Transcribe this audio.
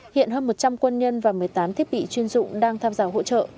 hiện hơn một trăm linh quân nhân và một mươi tám thiết bị chuyên dụng đang tham gia hỗ trợ